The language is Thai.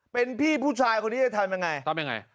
เป็นพี่ผู้ชายคนนี้จะทำยังไง